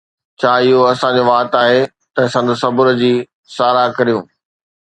ڇا اھو اسان جو وات آھي ته سندس صبر جي ساراھہ ڪريون؟